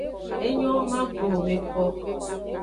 Enyo, ma glo wo me kpo.